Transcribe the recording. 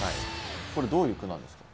これどういう句なんですか？